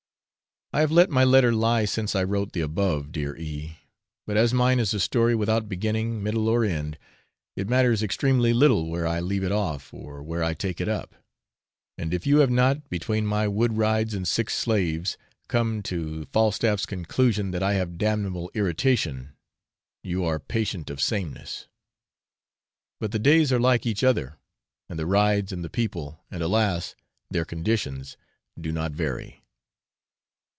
I have let my letter lie since I wrote the above, dear E ; but as mine is a story without beginning, middle, or end, it matters extremely little where I leave it off or where I take it up; and if you have not, between my wood rides and sick slaves, come to Falstaff's conclusion that I have 'damnable iteration,' you are patient of sameness. But the days are like each other; and the rides and the people, and, alas! their conditions, do not vary.